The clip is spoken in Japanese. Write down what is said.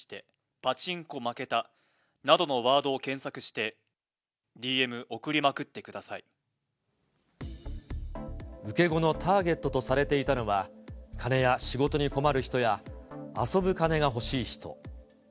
パチンコ負けたなどのワードを検索して、受け子のターゲットとされていたのは、金や仕事に困る人や、遊ぶ金が欲しい人。